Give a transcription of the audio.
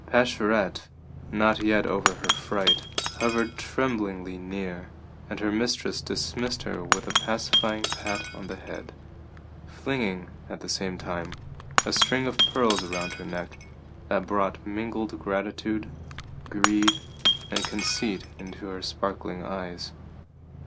Pascherette, not yet over her fright, hovered tremblingly near, and her mistress dismissed her with a pacifying pat on the head, flinging, at the same time, a string of pearls around her neck that brought mingled gratitude, greed, and conceit into her sparkling eyes.